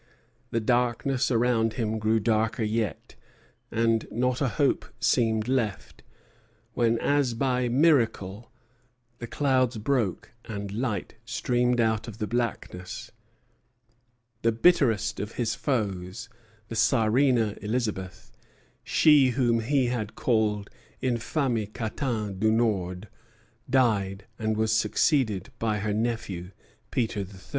The darkness around him grew darker yet, and not a hope seemed left; when as by miracle the clouds broke, and light streamed out of the blackness. The bitterest of his foes, the Czarina Elizabeth, she whom he had called infâme catin du Nord, died, and was succeeded by her nephew, Peter III.